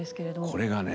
これがね